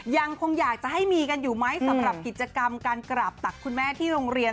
ยังคงอยากจะให้มีกันอยู่ไหมสำหรับกิจกรรมการกราบตักคุณแม่ที่โรงเรียน